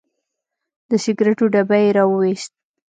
د سګریټو ډبی یې راوویست.